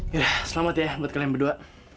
ya selamat ya buat kalian berdua